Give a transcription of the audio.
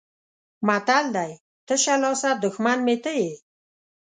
متل دی: تشه لاسه دښمن مې ته یې.